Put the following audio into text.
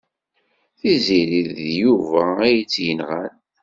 Tiziri d Yuba ay tt-yenɣan.